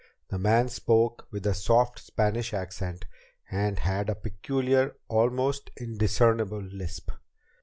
The man spoke with a soft Spanish accent, and had a peculiar, almost indiscernible, lisp.